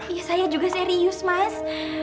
ya saya juga serius mas